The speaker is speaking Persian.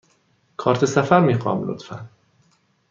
کارت سفر می خواهم، لطفاً.